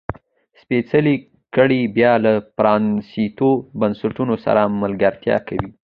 سپېڅلې کړۍ بیا له پرانیستو بنسټونو سره ملګرتیا کوي.